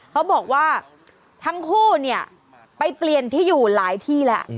เขาบอกว่าทั้งคู่เนี่ยไปเปลี่ยนที่อยู่หลายที่แหละ